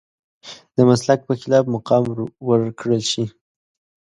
د مسلک په خلاف مقام ورکړل شي.